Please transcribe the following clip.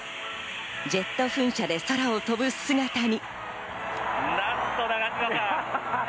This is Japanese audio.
ジェット噴射で空を飛ぶ姿に。